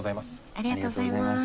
ありがとうございます。